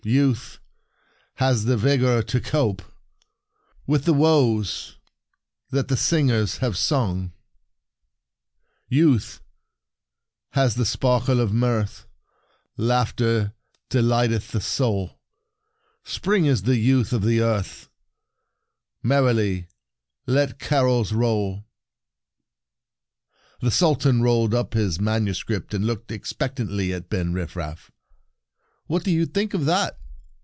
Youth has the vigor to cope With the woes that the singers have sung. The Poem 54 The Sultan's A Critic " Youth has the sparkle of mirth ; Wanted Laughter delighteth the soul ; Spring is the youth of the earth. Merrily let carols roll !" The Sultan rolled up his manuscript, and looked expect antly at Ben Rifraf. "What do you think of that?"